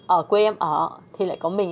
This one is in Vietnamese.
ở quê em ở thì lại có mình